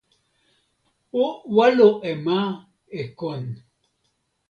o walo e ma e kon.